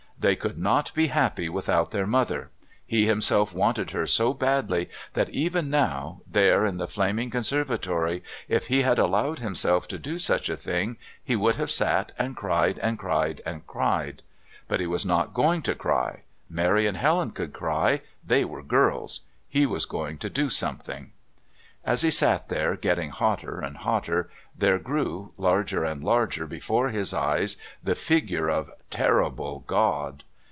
They could not bo happy without their mother; he himself wanted her so badly that even now, there in the flaming conservatory, if he had allowed himself to do such a thing, he would have sat and cried and cried and cried. But he was not going to cry. Mary and Helen could cry they were girls; he was going to do something. As he sat there, getting hotter and hotter, there grew, larger and larger before his eyes, the figure of Terrible God.